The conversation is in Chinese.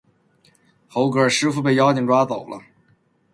猴哥，师父被妖精抓走了